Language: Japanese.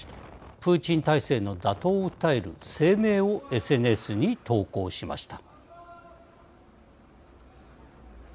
プーチン体制の打倒を訴える声明をＳＮＳに投稿しました。